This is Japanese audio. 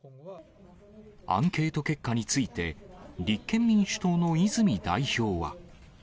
アンケート結果について、立憲民主党の泉代表は。